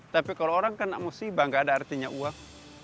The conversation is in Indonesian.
tapi kalau orang kena musibah nggak ada artinya uang